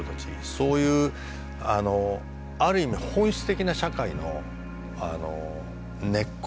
そういうある意味本質的な社会の根っこっていうか